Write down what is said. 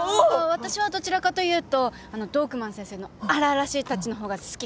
私はどちらかというとどおくまん先生の荒々しいタッチの方が好きかな。